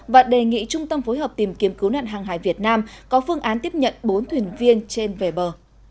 và đề nghị trung tâm phối hợp tìm kiếm cứu nạn hàng hải việt nam có phương án tiếp nhận bốn thuyền viên trên về bờ